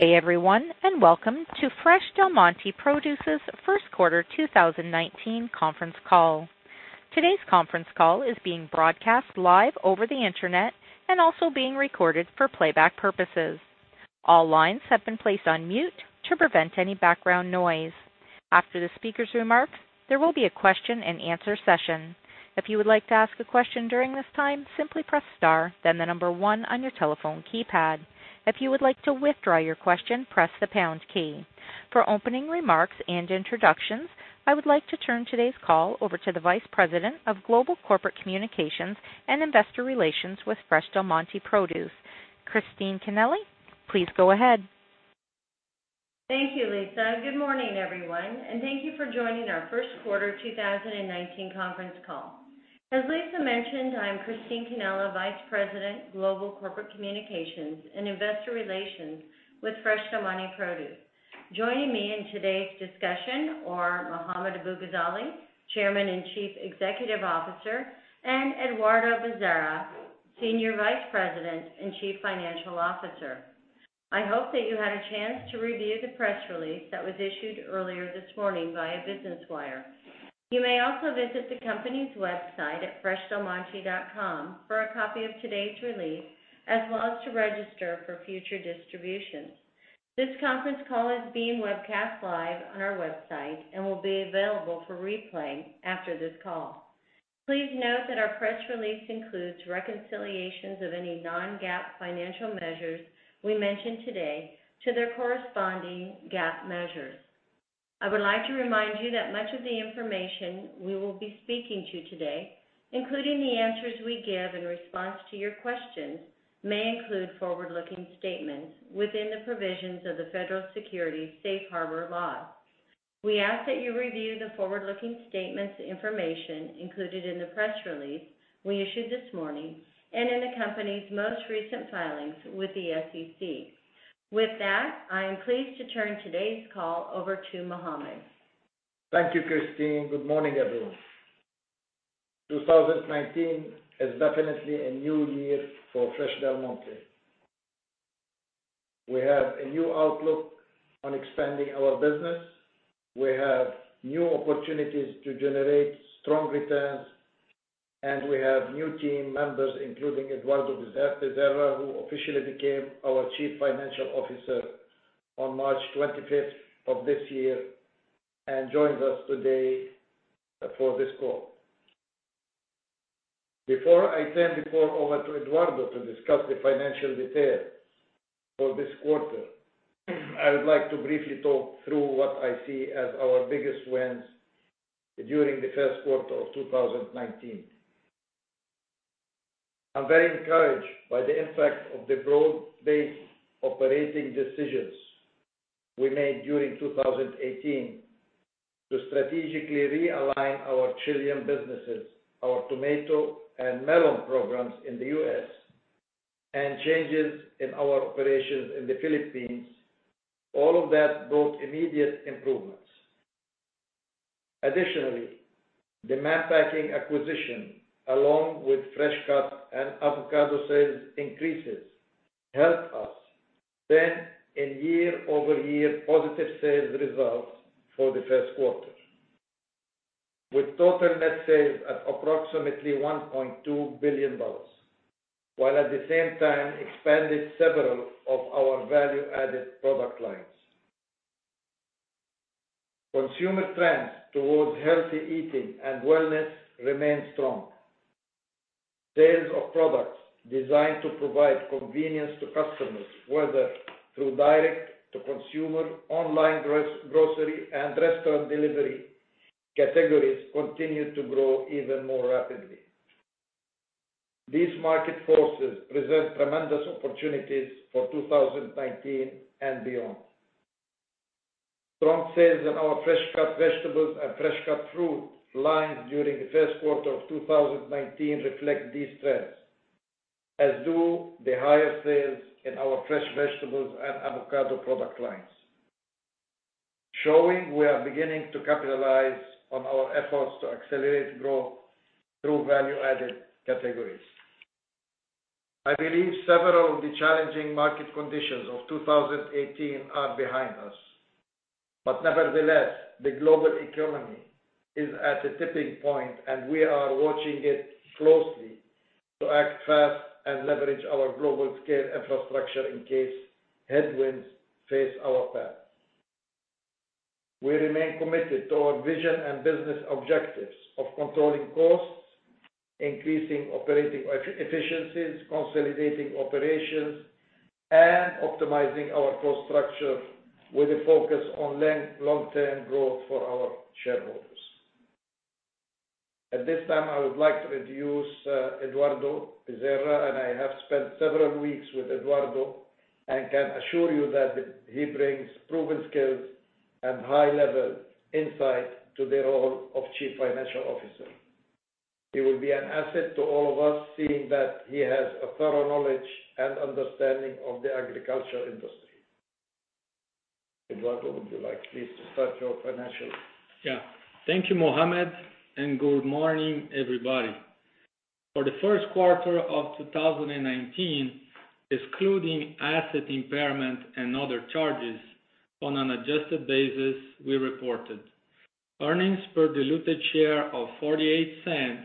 Hey everyone, welcome to Fresh Del Monte Produce's first quarter 2019 conference call. Today's conference call is being broadcast live over the internet and also being recorded for playback purposes. All lines have been placed on mute to prevent any background noise. After the speaker's remarks, there will be a question-and-answer session. If you would like to ask a question during this time, simply press star, then the number one on your telephone keypad. If you would like to withdraw your question, press the pound key. For opening remarks and introductions, I would like to turn today's call over to the Vice President of Global Corporate Communications and Investor Relations with Fresh Del Monte Produce. Christine Cannella, please go ahead. Thank you, Lisa. Good morning, everyone, thank you for joining our first quarter 2019 conference call. As Lisa mentioned, I'm Christine Cannella, Vice President, Global Corporate Communications and Investor Relations with Fresh Del Monte Produce. Joining me in today's discussion are Mohammad Abu-Ghazaleh, Chairman and Chief Executive Officer, and Eduardo Bezerra, Senior Vice President and Chief Financial Officer. I hope that you had a chance to review the press release that was issued earlier this morning via Business Wire. You may also visit the company's website at freshdelmonte.com for a copy of today's release, as well as to register for future distributions. This conference call is being webcast live on our website and will be available for replay after this call. Please note that our press release includes reconciliations of any non-GAAP financial measures we mention today to their corresponding GAAP measures. I would like to remind you that much of the information we will be speaking to today, including the answers we give in response to your questions, may include forward-looking statements within the provisions of the Federal Securities Safe Harbor laws. We ask that you review the forward-looking statements information included in the press release we issued this morning and in the company's most recent filings with the SEC. With that, I am pleased to turn today's call over to Mohammad. Thank you, Christine. Good morning, everyone. 2019 is definitely a new year for Fresh Del Monte. We have a new outlook on expanding our business. We have new opportunities to generate strong returns, and we have new team members, including Eduardo Bezerra, who officially became our Chief Financial Officer on March 25th of this year and joins us today for this call. Before I turn the floor over to Eduardo to discuss the financial details for this quarter, I would like to briefly talk through what I see as our biggest wins during the first quarter of 2019. I'm very encouraged by the impact of the broad-based operating decisions we made during 2018 to strategically realign our Chilean businesses, our tomato and melon programs in the U.S., and changes in our operations in the Philippines. All of that brought immediate improvements. Additionally, the Mann Packing acquisition, along with fresh-cut and avocado sales increases, helped us spend in year-over-year positive sales results for the first quarter. With total net sales at approximately $1.2 billion, while at the same time expanded several of our value-added product lines. Consumer trends towards healthy eating and wellness remain strong. Sales of products designed to provide convenience to customers, whether through direct-to-consumer, online grocery, and restaurant delivery categories continue to grow even more rapidly. These market forces present tremendous opportunities for 2019 and beyond. Strong sales in our fresh-cut vegetables and fresh-cut fruit lines during the first quarter of 2019 reflect these trends, as do the higher sales in our fresh vegetables and avocado product lines. Showing we are beginning to capitalize on our efforts to accelerate growth through value-added categories. I believe several of the challenging market conditions of 2018 are behind us. Nevertheless, the global economy is at a tipping point, and we are watching it closely to act fast and leverage our global scale infrastructure in case headwinds face our path. We remain committed to our vision and business objectives of controlling costs, increasing operating efficiencies, consolidating operations, and optimizing our cost structure with a focus on long-term growth for our shareholders. At this time, I would like to introduce Eduardo Bezerra. I have spent several weeks with Eduardo and can assure you that he brings proven skills and high-level insight to the role of Chief Financial Officer. He will be an asset to all of us, seeing that he has a thorough knowledge and understanding of the agriculture industry. Eduardo, would you like please to start your financials? Thank you, Mohammad, good morning, everybody. For the first quarter of 2019, excluding asset impairment and other charges, on an adjusted basis, we reported earnings per diluted share of $0.48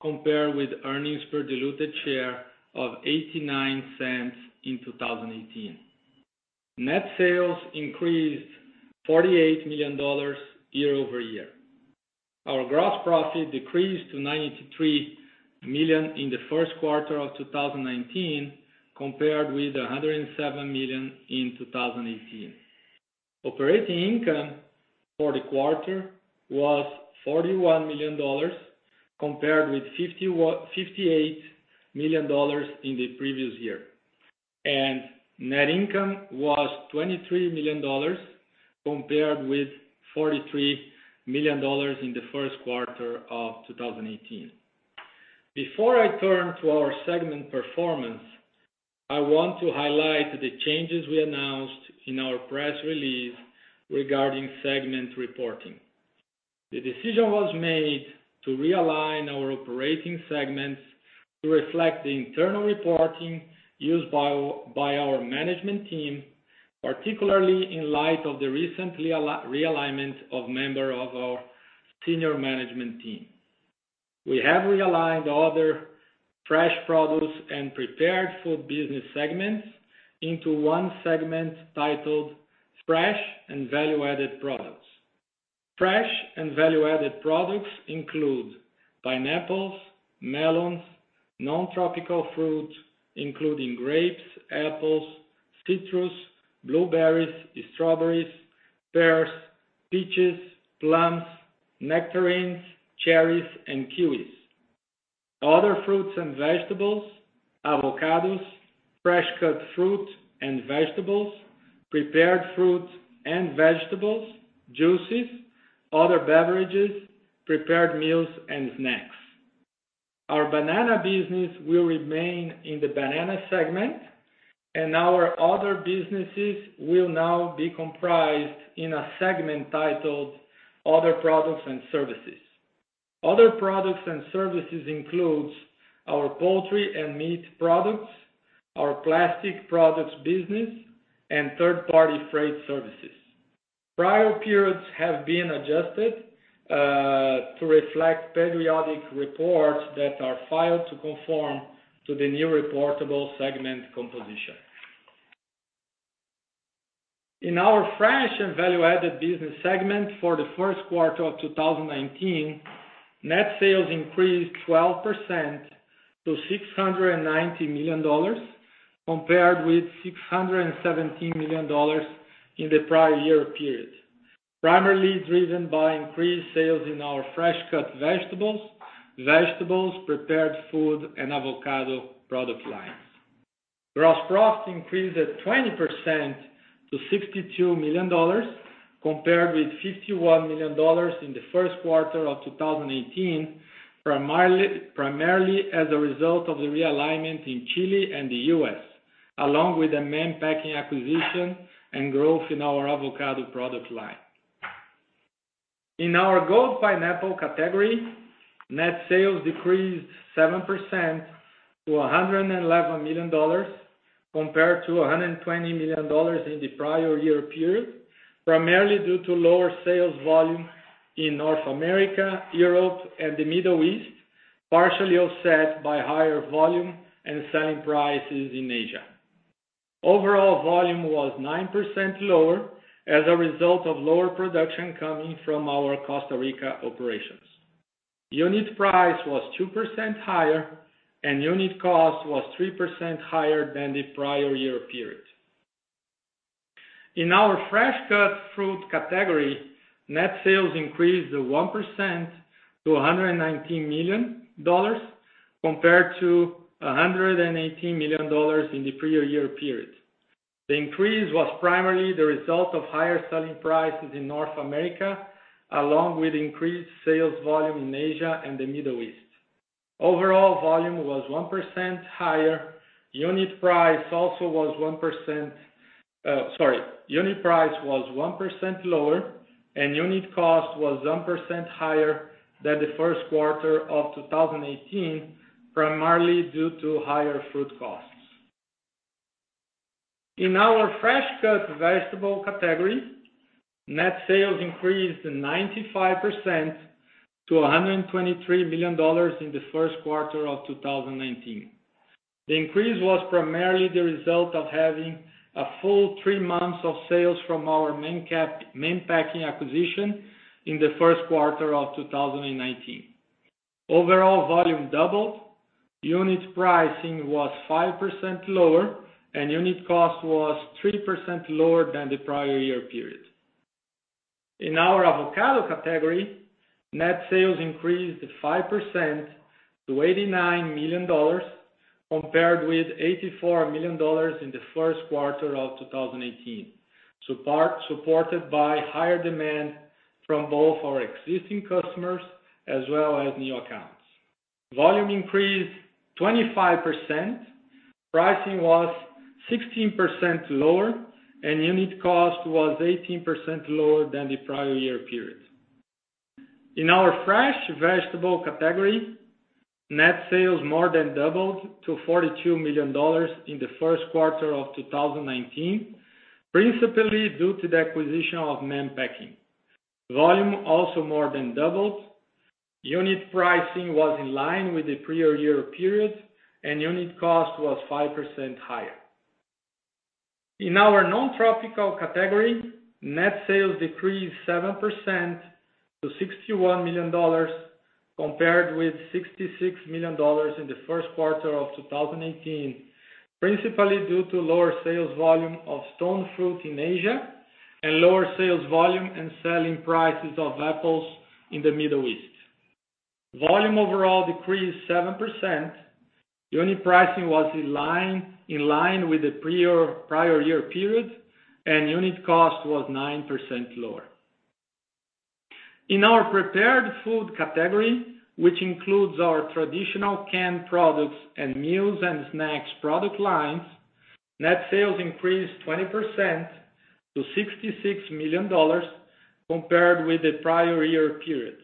compared with earnings per diluted share of $0.89 in 2018. Net sales increased $48 million year-over-year. Our gross profit decreased to $93 million in the first quarter of 2019 compared with $107 million in 2018. Operating income for the quarter was $41 million compared with $58 million in the previous year. Net income was $23 million compared with $43 million in the first quarter of 2018. Before I turn to our segment performance, I want to highlight the changes we announced in our press release regarding segment reporting. The decision was made to realign our operating segments to reflect the internal reporting used by our management team, particularly in light of the recent realignment of member of our senior management team. We have realigned Other Fresh Products and Prepared Food business segments into one segment titled Fresh and Value-Added Products. Fresh and Value-Added Products include pineapples, melons, non-tropical fruit, including grapes, apples, citrus, blueberries, strawberries, pears, peaches, plums, nectarines, cherries, and kiwis. Other fruits and vegetables, avocados, fresh-cut fruit and vegetables, prepared fruit and vegetables, juices, other beverages, prepared meals and snacks. Our banana business will remain in the banana segment. Our other businesses will now be comprised in a segment titled Other Products and Services. Other Products and Services includes our poultry and meat products, our plastic products business, and third-party freight services. Prior periods have been adjusted to reflect periodic reports that are filed to conform to the new reportable segment composition. In our Fresh and Value-Added Products business segment for the first quarter of 2019, net sales increased 12% to $690 million compared with $617 million in the prior year period, primarily driven by increased sales in our fresh cut vegetables, prepared food, and avocado product lines. Gross profit increased 20% to $62 million, compared with $51 million in the first quarter of 2018, primarily as a result of the realignment in Chile and the U.S., along with the Mann Packing acquisition and growth in our avocado product line. In our gold pineapple category, net sales decreased 7% to $111 million compared to $120 million in the prior year period, primarily due to lower sales volume in North America, Europe, and the Middle East, partially offset by higher volume and selling prices in Asia. Overall volume was 9% lower as a result of lower production coming from our Costa Rica operations. Unit price was 2% higher and unit cost was 3% higher than the prior year period. In our fresh cut fruit category, net sales increased 1% to $119 million compared to $118 million in the prior year period. The increase was primarily the result of higher selling prices in North America, along with increased sales volume in Asia and the Middle East. Overall volume was 1% higher. Unit price was 1% lower, and unit cost was 1% higher than the first quarter of 2018, primarily due to higher fruit costs. In our fresh cut vegetable category, net sales increased 95% to $123 million in the first quarter of 2019. The increase was primarily the result of having a full three months of sales from our Mann Packing acquisition in the first quarter of 2019. Overall volume doubled. Unit pricing was 5% lower, and unit cost was 3% lower than the prior year period. In our avocado category, net sales increased 5% to $89 million compared with $84 million in the first quarter of 2018, supported by higher demand from both our existing customers as well as new accounts. Volume increased 25%. Pricing was 16% lower, and unit cost was 18% lower than the prior year period. In our fresh vegetable category, net sales more than doubled to $42 million in the first quarter of 2019, principally due to the acquisition of Mann Packing. Volume also more than doubled. Unit pricing was in line with the prior year period, and unit cost was 5% higher. In our non-tropical category, net sales decreased 7% to $61 million compared with $66 million in the first quarter of 2018, principally due to lower sales volume of stone fruit in Asia and lower sales volume and selling prices of apples in the Middle East. Volume overall decreased 7%. Unit pricing was in line with the prior year period, and unit cost was 9% lower. In our Prepared Food Category, which includes our traditional canned products and meals and snacks product lines, net sales increased 20% to $66 million compared with the prior year period,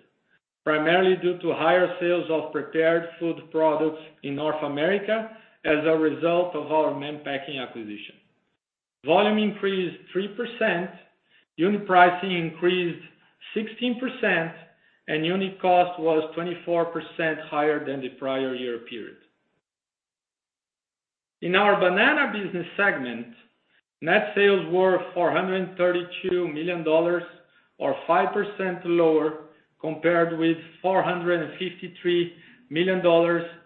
primarily due to higher sales of prepared food products in North America as a result of our Mann Packing acquisition. Volume increased 3%, unit pricing increased 16%, and unit cost was 24% higher than the prior year period. In our Banana Business Segment, net sales were $432 million, or 5% lower compared with $453 million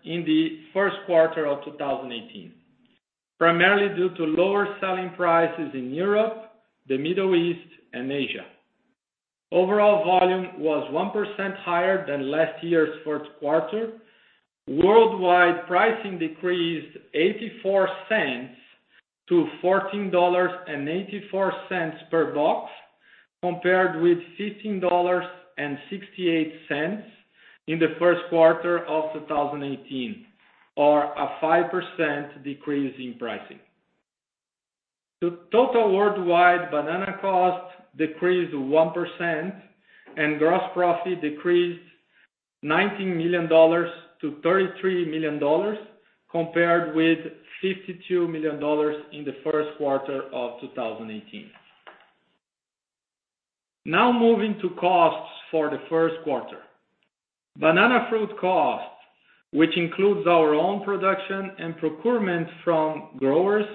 in the first quarter of 2018, primarily due to lower selling prices in Europe, the Middle East, and Asia. Overall volume was 1% higher than last year's first quarter. Worldwide pricing decreased $0.84 to $14.84 per box compared with $15.68 in the first quarter of 2018, or a 5% decrease in pricing. The total worldwide banana cost decreased 1%, and gross profit decreased $19 million to $33 million, compared with $52 million in the first quarter of 2018. Now moving to costs for the first quarter. Banana fruit costs, which includes our own production and procurement from growers,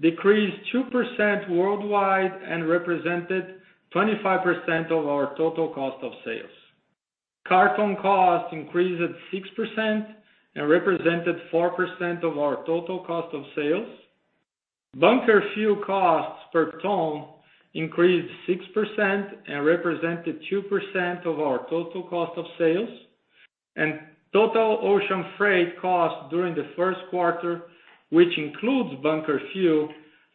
decreased 2% worldwide and represented 25% of our total cost of sales. Carton cost increased at 6% and represented 4% of our total cost of sales. Bunker fuel costs per ton increased 6% and represented 2% of our total cost of sales. Total ocean freight cost during the first quarter, which includes bunker fuel,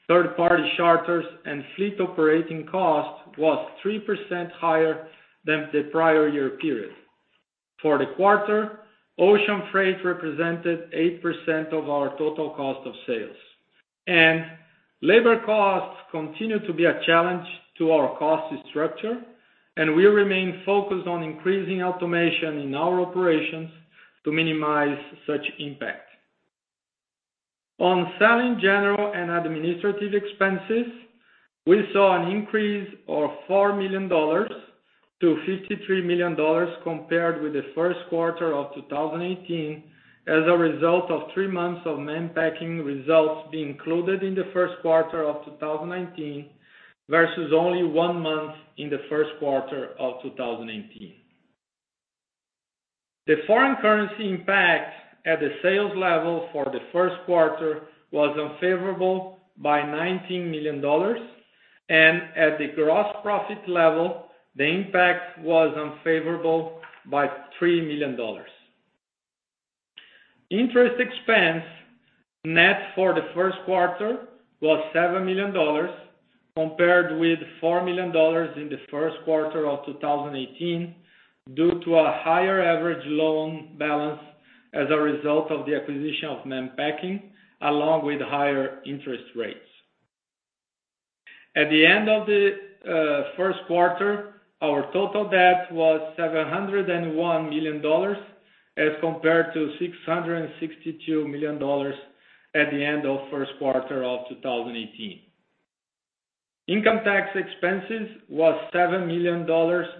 third-party charters, and fleet operating cost, was 3% higher than the prior year period. For the quarter, ocean freight represented 8% of our total cost of sales. Labor costs continue to be a challenge to our cost structure, and we remain focused on increasing automation in our operations to minimize such impact. On Selling, General, and Administrative Expenses, we saw an increase of $4 million to $53 million compared with the first quarter of 2018 as a result of three months of Mann Packing results being included in the first quarter of 2019 versus only one month in the first quarter of 2018. The foreign currency impact at the sales level for the first quarter was unfavorable by $19 million, and at the gross profit level, the impact was unfavorable by $3 million. Interest expense net for the first quarter was $7 million compared with $4 million in the first quarter of 2018 due to a higher average loan balance as a result of the acquisition of Mann Packing, along with higher interest rates. At the end of the first quarter, our total debt was $701 million as compared to $662 million at the end of first quarter of 2018. Income tax expenses was $7 million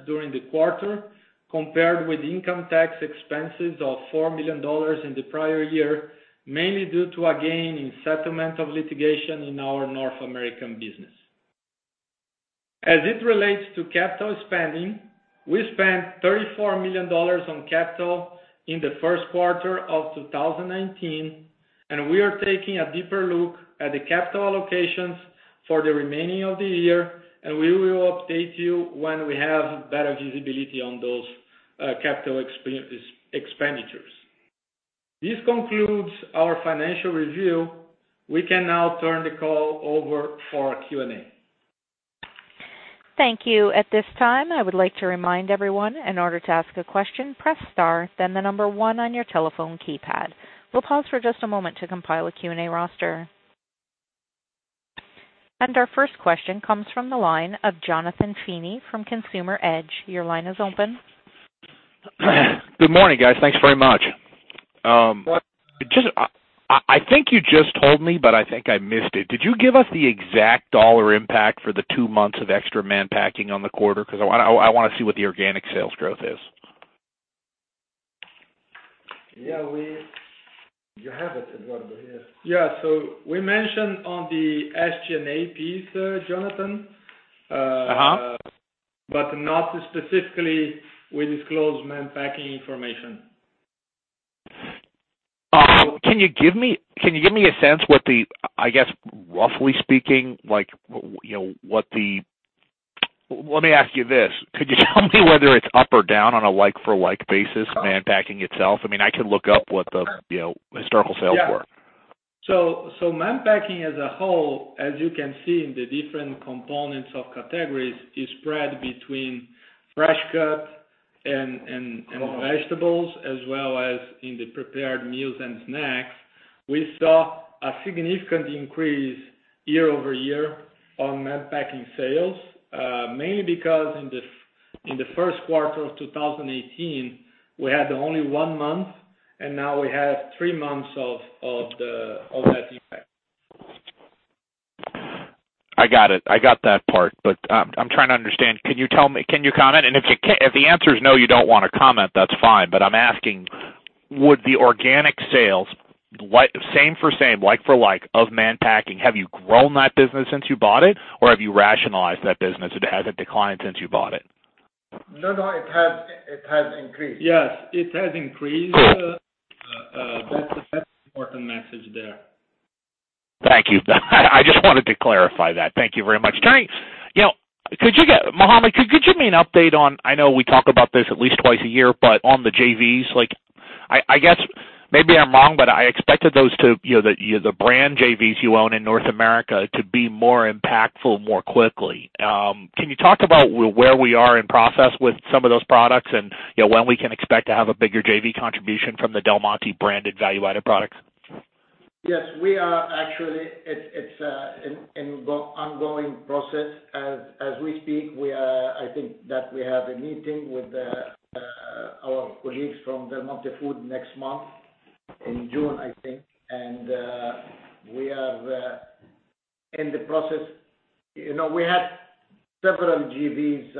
during the quarter compared with income tax expenses of $4 million in the prior year, mainly due to a gain in settlement of litigation in our North American business. As it relates to capital spending, we spent $34 million on capital in the first quarter of 2019, and we are taking a deeper look at the capital allocations for the remaining of the year, and we will update you when we have better visibility on those capital expenditures. This concludes our financial review. We can now turn the call over for Q&A. Thank you. At this time, I would like to remind everyone, in order to ask a question, press star then the number one on your telephone keypad. We'll pause for just a moment to compile a Q&A roster. Our first question comes from the line of Jonathan Feeney from Consumer Edge. Your line is open. Good morning, guys. Thanks very much. Good morning. I think you just told me, but I think I missed it. Did you give us the exact dollar impact for the two months of extra Mann Packing on the quarter? Because I want to see what the organic sales growth is. You have it, Eduardo, here. We mentioned on the SG&A piece, Jonathan. Not specifically we disclose Mann Packing information. Can you give me a sense what the, I guess roughly speaking, let me ask you this. Could you tell me whether it's up or down on a like for like basis, Mann Packing itself? I could look up what the historical sales were. Mann Packing as a whole, as you can see in the different components of categories, is spread between fresh cut and vegetables, as well as in the prepared meals and snacks. We saw a significant increase year-over-year on Mann Packing sales. Mainly because in the first quarter of 2018, we had only one month, and now we have three months of that impact. I got it. I got that part, I'm trying to understand. Can you comment? If the answer is no, you don't want to comment, that's fine, I'm asking, would the organic sales, same for same, like for like of Mann Packing, have you grown that business since you bought it, or have you rationalized that business? Has it declined since you bought it? No, it has increased. Yes, it has increased. Good. That's important message there. Thank you. I just wanted to clarify that. Thank you very much. Mohammad, could you give me an update on, I know we talk about this at least twice a year, but on the JVs. I guess maybe I'm wrong, but I expected those, the brand JVs you own in North America, to be more impactful more quickly. Can you talk about where we are in process with some of those products, and when we can expect to have a bigger JV contribution from the Del Monte branded value-added products? Yes, we are actually It's an ongoing process as we speak. I think that we have a meeting with our colleagues from Del Monte Foods next month, in June, I think. We are in the process. We had several JVs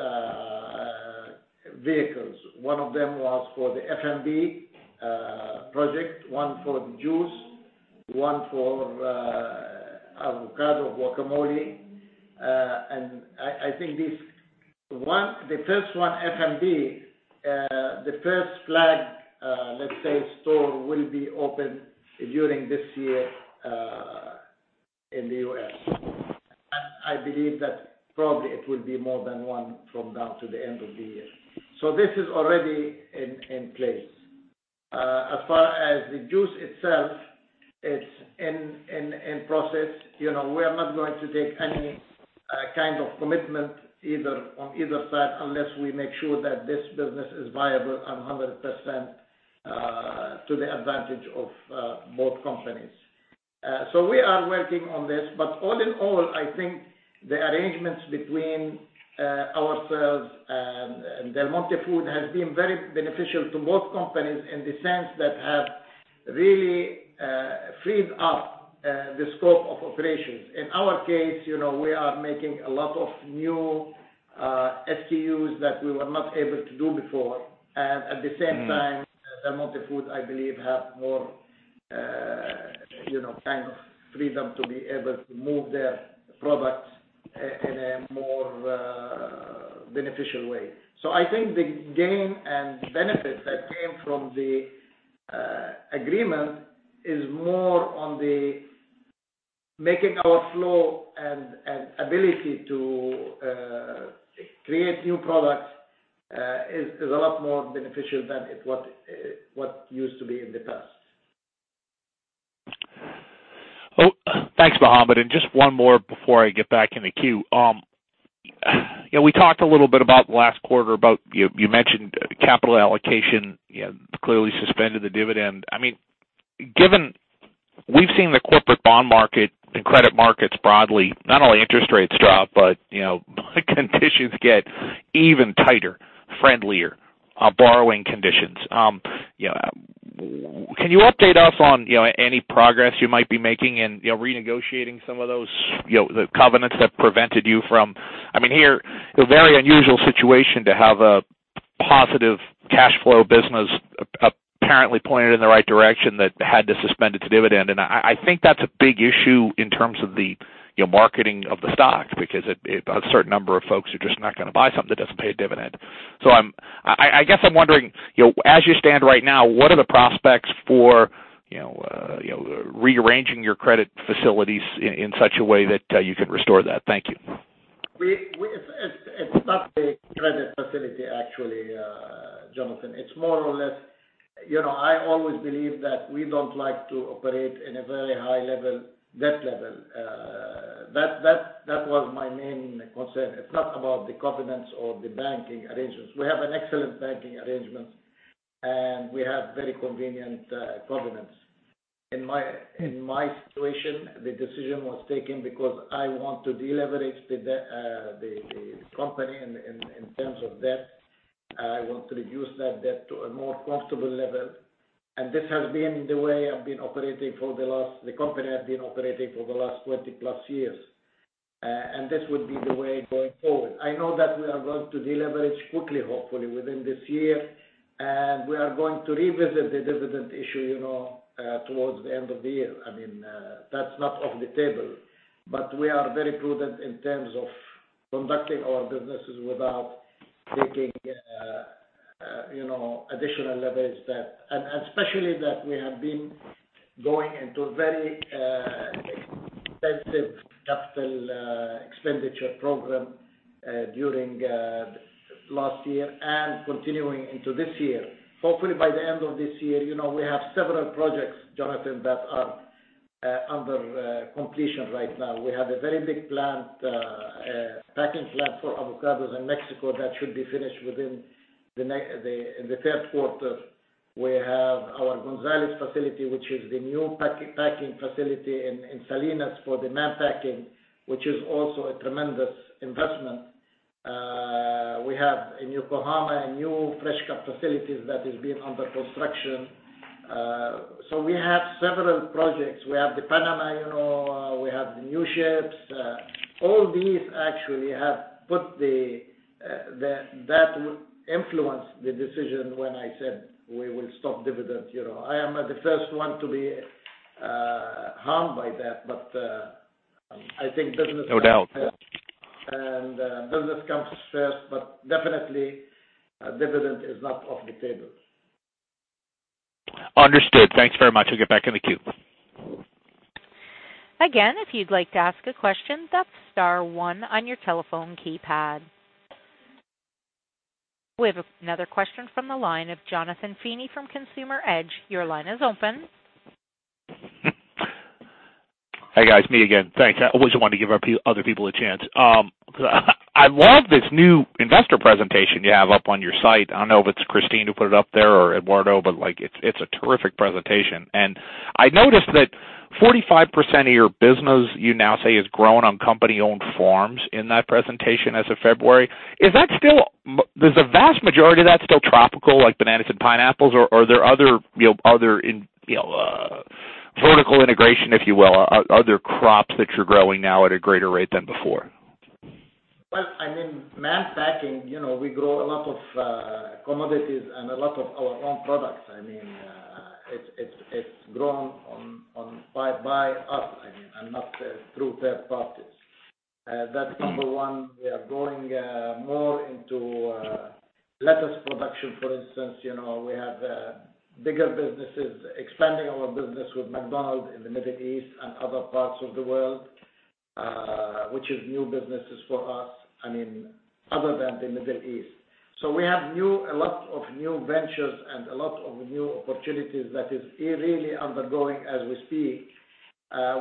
vehicles. One of them was for the F&B project, one for the juice, one for avocado guacamole. I think the first one, F&B, the first flag, let's say, store will be open during this year, in the U.S. I believe that probably it will be more than one from now to the end of the year. This is already in place. As far as the juice itself, it's in process. We are not going to take any kind of commitment on either side unless we make sure that this business is viable 100% to the advantage of both companies. We are working on this. All in all, I think the arrangements between ourselves and Del Monte Foods has been very beneficial to both companies in the sense that have really freed up the scope of operations. In our case, we are making a lot of new SKUs that we were not able to do before, and at the same time. Del Monte Foods, I believe, have more kind of freedom to be able to move their products in a more beneficial way. I think the gain and benefits that came from the agreement is more on the making our flow and ability to create new products is a lot more beneficial than what used to be in the past. Thanks, Mohammad, just one more before I get back in the queue. We talked a little bit about last quarter. You mentioned capital allocation, clearly suspended the dividend. We've seen the corporate bond market and credit markets broadly, not only interest rates drop, but conditions get even tighter, friendlier borrowing conditions. Can you update us on any progress you might be making in renegotiating some of those covenants. A very unusual situation to have a positive cash flow business, apparently pointed in the right direction, that had to suspend its dividend. I think that's a big issue in terms of the marketing of the stock, because a certain number of folks are just not going to buy something that doesn't pay a dividend. I guess I'm wondering, as you stand right now, what are the prospects for rearranging your credit facilities in such a way that you can restore that? Thank you. It's not the credit facility, actually, Jonathan. It's more or less I always believe that we don't like to operate in a very high debt level. That was my main concern. It's not about the covenants or the banking arrangements. We have an excellent banking arrangement, and we have very convenient covenants. In my situation, the decision was taken because I want to deleverage the company in terms of debt. I want to reduce that debt to a more comfortable level. This has been the way the company has been operating for the last 20 plus years. This would be the way going forward. I know that we are going to deleverage quickly, hopefully within this year. We are going to revisit the dividend issue towards the end of the year. That's not off the table. We are very prudent in terms of conducting our businesses without taking additional leverage debt. Especially that we have been going into very expensive capital expenditure program during last year and continuing into this year. Hopefully by the end of this year, we have several projects, Jonathan, that are under completion right now. We have a very big packing plant for avocados in Mexico that should be finished within the third quarter. We have our Gonzales facility, which is the new packing facility in Salinas for the Mann Packing, which is also a tremendous investment. We have in Yokohama, a new fresh-cut facilities that is being under construction. We have several projects. We have the Panama, we have the new ships. All these actually have influenced the decision when I said we will stop dividends. I am the first one to be harmed by that, but I think. No doubt Business comes first, but definitely, dividend is not off the table. Understood. Thanks very much. We'll get back in the queue. If you'd like to ask a question, that's star one on your telephone keypad. We have another question from the line of Jonathan Feeney from Consumer Edge. Your line is open. Hey, guys, me again. Thanks. I always want to give other people a chance. I love this new investor presentation you have up on your site. I don't know if it's Christine who put it up there or Eduardo, but it's a terrific presentation. I noticed that 45% of your business, you now say, is grown on company-owned farms in that presentation as of February. Does the vast majority of that still tropical, like bananas and pineapples, or are there other vertical integration, if you will, other crops that you're growing now at a greater rate than before? Well, Mann Packing, we grow a lot of commodities and a lot of our own products. It's grown by us and not through third parties. That's number one. We are going more into lettuce production, for instance. We have bigger businesses expanding our business with McDonald's in the Middle East and other parts of the world, which is new businesses for us, other than the Middle East. We have a lot of new ventures and a lot of new opportunities that is really undergoing as we speak,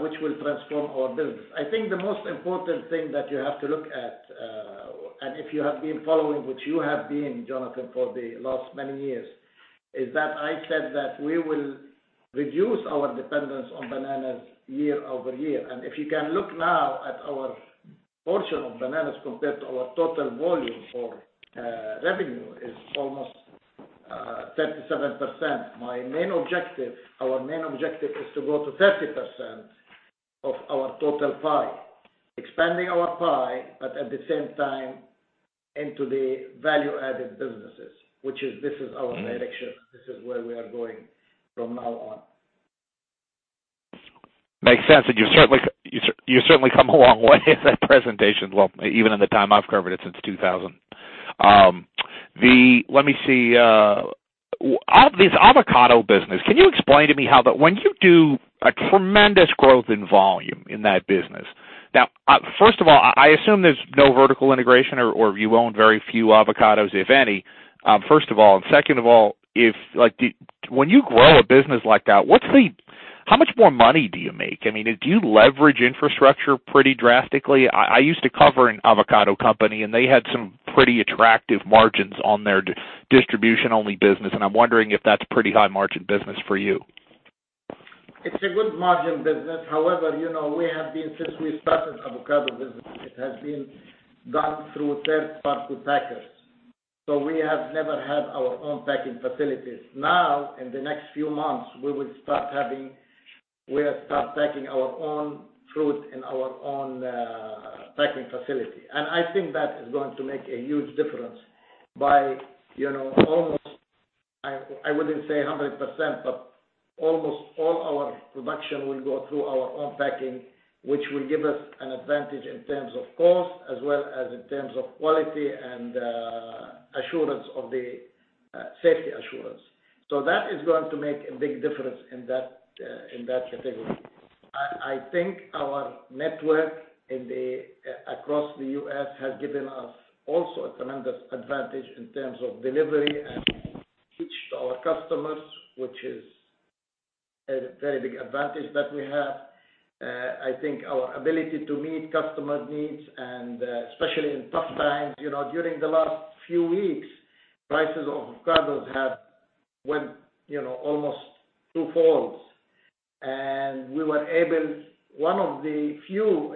which will transform our business. I think the most important thing that you have to look at, and if you have been following, which you have been, Jonathan, for the last many years, is that I said that we will reduce our dependence on bananas year-over-year. If you can look now at our portion of bananas compared to our total volume for revenue is almost 37%. My main objective, our main objective is to go to 30% of our total pie, expanding our pie, but at the same time into the value-added businesses, which is our direction. This is where we are going from now on. Makes sense. You've certainly come a long way in that presentation. Well, even in the time I've covered it since 2000. Let me see. This avocado business, can you explain to me how when you do a tremendous growth in volume in that business. First of all, I assume there's no vertical integration or you own very few avocados, if any. First of all, and second of all, when you grow a business like that, how much more money do you make? Do you leverage infrastructure pretty drastically? I used to cover an avocado company, and they had some pretty attractive margins on their distribution-only business, and I'm wondering if that's pretty high margin business for you. It's a good margin business. However, since we started avocado business, it has been done through third party packers. We have never had our own packing facilities. In the next few months, we will start packing our own fruit in our own packing facility. I think that is going to make a huge difference by almost, I wouldn't say 100%, but almost all our production will go through our own packing, which will give us an advantage in terms of cost as well as in terms of quality and safety assurance. That is going to make a big difference in that category. I think our network across the U.S. has given us also a tremendous advantage in terms of delivery and reach to our customers, which is a very big advantage that we have. I think our ability to meet customer needs and especially in tough times. During the last few weeks, prices of avocados have went almost twofolds. We were one of the few,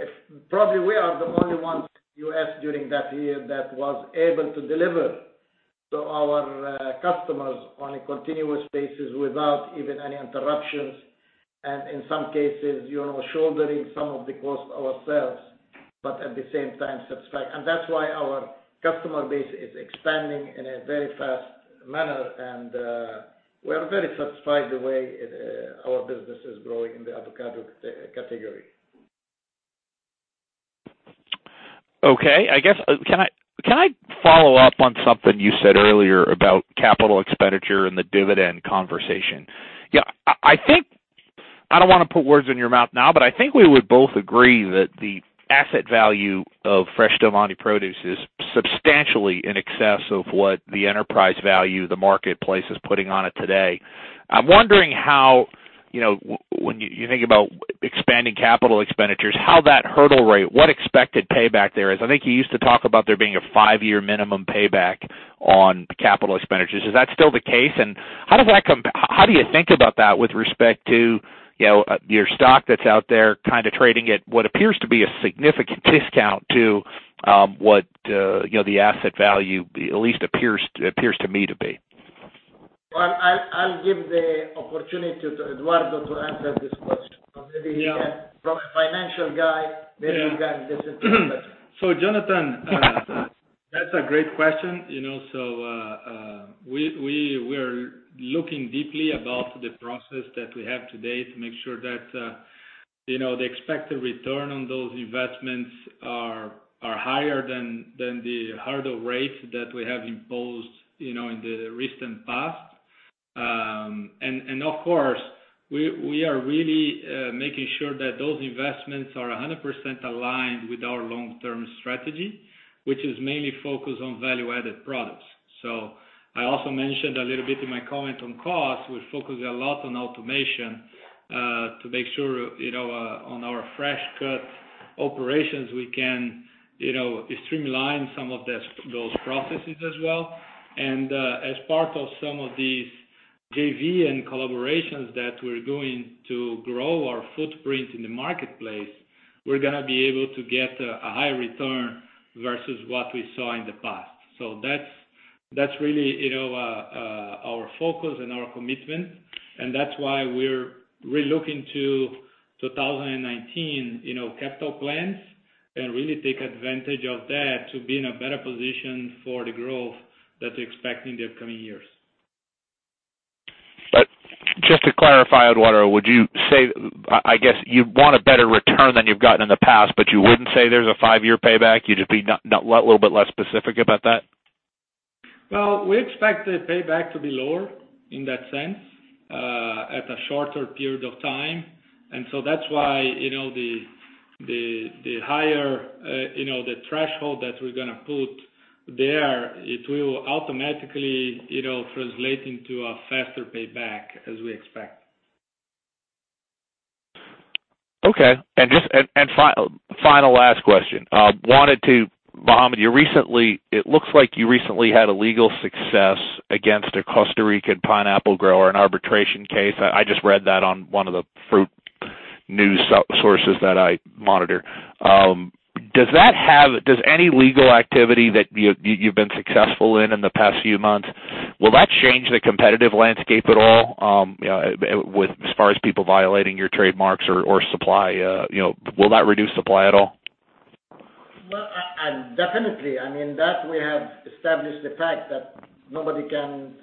probably we are the only ones in the U.S. during that year that was able to deliver to our customers on a continuous basis without even any interruptions. In some cases, shouldering some of the cost ourselves, but at the same time satisfy. That's why our customer base is expanding in a very fast manner. We are very satisfied the way our business is growing in the avocado category. Okay. Can I follow up on something you said earlier about capital expenditure and the dividend conversation? I don't want to put words in your mouth now, but I think we would both agree that the asset value of Fresh Del Monte Produce is substantially in excess of what the enterprise value the marketplace is putting on it today. I'm wondering how, when you think about expanding capital expenditures, how that hurdle rate, what expected payback there is. I think you used to talk about there being a five-year minimum payback on capital expenditures. Is that still the case? How do you think about that with respect to your stock that's out there kind of trading at what appears to be a significant discount to what the asset value at least appears to me to be? Well, I'll give the opportunity to Eduardo to answer this question. Yeah. From a financial guy, maybe you can get into that better. Jonathan, that's a great question. We are looking deeply about the process that we have today to make sure that the expected return on those investments are higher than the hurdle rates that we have imposed in the recent past. Of course, we are really making sure that those investments are 100% aligned with our long-term strategy, which is mainly focused on Value-Added Products. I also mentioned a little bit in my comment on cost, we focus a lot on automation, to make sure on our fresh cut operations, we can streamline some of those processes as well. As part of some of these JVs and collaborations that we're doing to grow our footprint in the marketplace, we're going to be able to get a high return versus what we saw in the past. That's really our focus and our commitment, and that's why we're looking to 2019 capital plans and really take advantage of that to be in a better position for the growth that we expect in the upcoming years. Just to clarify, Eduardo, would you say, I guess you want a better return than you've gotten in the past, but you wouldn't say there's a five-year payback? You'd just be a little bit less specific about that? We expect the payback to be lower in that sense, at a shorter period of time. That's why the higher threshold that we're going to put there, it will automatically translate into a faster payback as we expect. Final last question. Mohammad, it looks like you recently had a legal success against a Costa Rican pineapple grower in arbitration case. I just read that on one of the fruit news sources that I monitor. Does any legal activity that you've been successful in in the past few months, will that change the competitive landscape at all as far as people violating your trademarks or supply? Will that reduce supply at all? Well, definitely. I mean, that we have established the fact that nobody can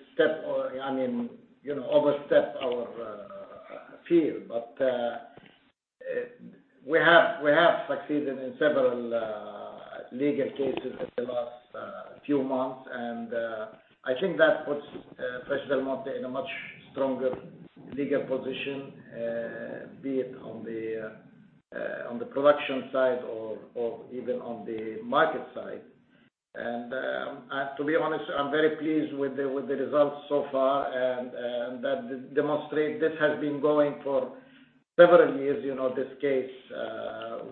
overstep our field. We have succeeded in several legal cases in the last few months. I think that puts Fresh Del Monte in a much stronger legal position, be it on the production side or even on the market side. To be honest, I'm very pleased with the results so far, and that demonstrate this has been going for several years, this case,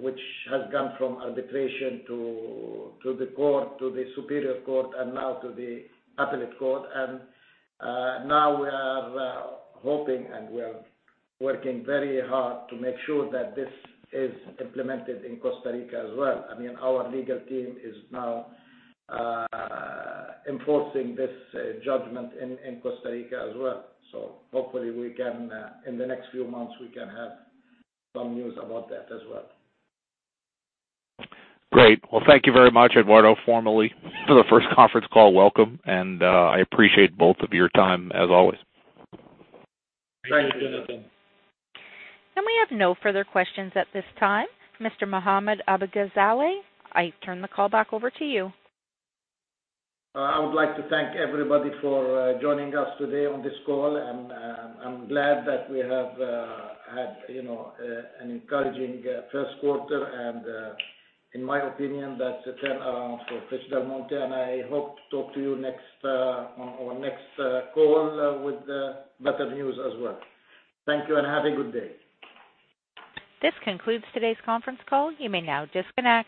which has gone from arbitration to the court, to the superior court, and now to the appellate court. Now we are hoping, and we are working very hard to make sure that this is implemented in Costa Rica as well. I mean, our legal team is now enforcing this judgment in Costa Rica as well. Hopefully in the next few months, we can have some news about that as well. Great. Well, thank you very much, Eduardo, formally for the first conference call welcome, and I appreciate both of your time as always. Thank you, Jonathan. We have no further questions at this time. Mr. Mohammad Abu-Ghazaleh, I turn the call back over to you. I would like to thank everybody for joining us today on this call, and I'm glad that we have had an encouraging first quarter and, in my opinion, that's a turnaround for Fresh Del Monte, and I hope to talk to you on our next call with better news as well. Thank you and have a good day. This concludes today's conference call. You may now disconnect.